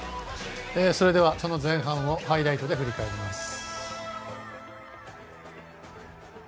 その前半をハイライトで振り返ります。